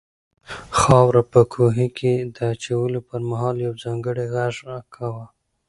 خاوره په کوهي کې د اچولو پر مهال یو ځانګړی غږ کاوه.